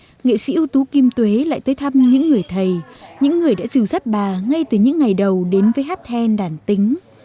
ngày hôm nay như thường lệ nghệ sĩ ưu tú kim tuế lại tới thăm những người thầy những người đã dìu dắt bà ngay từ những ngày đầu đến với hát then đàn tính